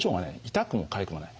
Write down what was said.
痛くもかゆくもない。